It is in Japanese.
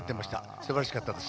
すばらしかったです。